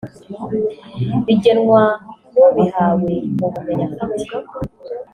bigenwa n’ubihawe mu bumenyi afite